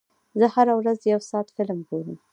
زه هره ورځ یو ساعت فلم ګورم.